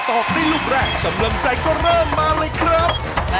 ต่อได้รูปแรกสำรามใจก็เริ่มมาเลยครับ